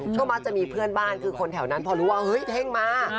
ก็มักจะมีเพื่อนบ้านคือคนแถวนั้นพอรู้ว่าเฮ้ยเท่งมา